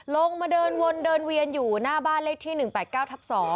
ลงมาเดินวนเดินเวียนอยู่หน้าบ้านเลขที่๑๘๙ทับ๒